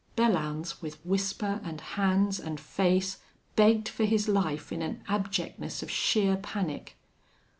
Belllounds, with whisper, and hands, and face, begged for his life in an abjectness of sheer panic.